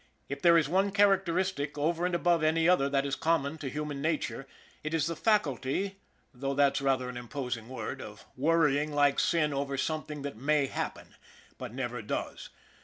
If there is one characteristic over and above any other that is common to human nature, it is the faculty, though that's rather an imposing word, of worrying like sin over something that may happen but never does.